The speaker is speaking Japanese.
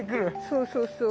そうそうそう。